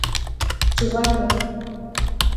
🐦 چوغکه